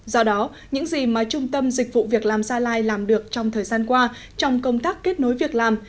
do đó những gì mà trung tâm dịch vụ việc làm gia lai làm được trong thời gian qua trong công tác kết nối việc làm